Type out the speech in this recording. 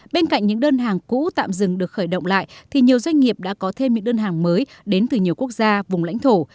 bên cạnh những đơn hàng cũ tạm dừng được khởi động lại thì nhiều doanh nghiệp đã có thêm những đơn hàng mới đến từ nhiều quốc gia vùng lãnh thổ